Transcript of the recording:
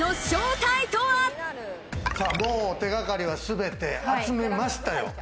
もう手掛かりは、すべて集めましたよ。